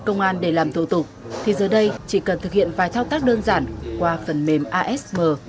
công an để làm thủ tục thì giờ đây chỉ cần thực hiện vài thao tác đơn giản qua phần mềm asm